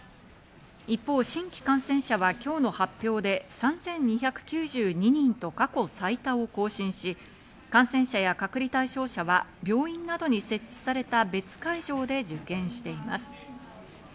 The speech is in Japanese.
一方、新規感染者は今日の発表で３２９２人と過去最多を更新し、感染者や隔離対象者は病院などに設置された別会場で受験しています。